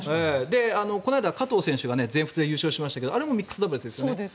この間、加藤選手が全仏で優勝しましたがあれもミックスダブルスですね。